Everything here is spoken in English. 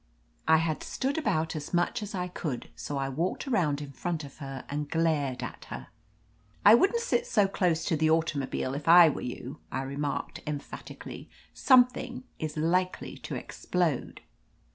I had stood about as much as I could, so I walked arotmd in front of her and glared at her. "I wouldn't sit so close to the automobile if I were you," I remarked emphatically. "Some thing is likely to explode."